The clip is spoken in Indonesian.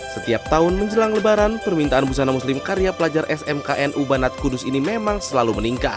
setiap tahun menjelang lebaran permintaan busana muslim karya pelajar smknu banat kudus ini memang selalu meningkat